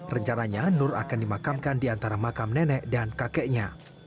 rencananya nur akan dimakamkan di antara makam nenek dan kakeknya